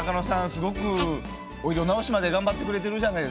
すごくお色直しまで頑張ってくれてるじゃないですか。